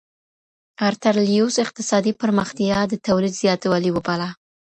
ارتر لیوس اقتصادي پرمختیا د تولید زیاتوالی وباله.